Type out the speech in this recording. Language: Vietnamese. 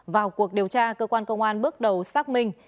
vào cuộc điều tra cơ quan công an bước đầu xác minh